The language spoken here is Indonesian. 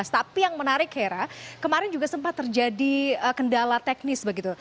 tapi yang menarik hera kemarin juga sempat terjadi kendala teknis begitu